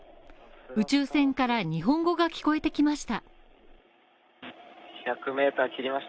宇宙船から日本語が聞こえてきました。